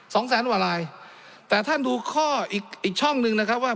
สองแสนกว่าลายแต่ท่านดูข้ออีกอีกช่องหนึ่งนะครับว่า